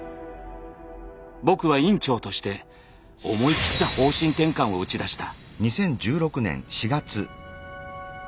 僕は院長として思い切った方針転換を打ち出した。